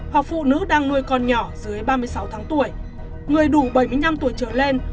hoặc phụ nữ đang nuôi con nhỏ dưới ba mươi sáu tháng tuổi người đủ bảy mươi năm tuổi trở lên